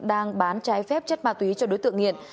đang bán trái phép chất ma túy cho đối tượng nghiện